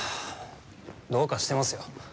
どうかしてますよ。